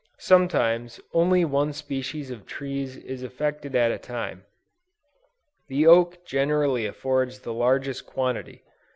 Sometimes only one species of trees is affected at a time. The oak generally affords the largest quantity.